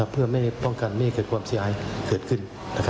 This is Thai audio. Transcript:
เพื่อไม่ป้องกันไม่ให้เกิดความเสียหายเกิดขึ้น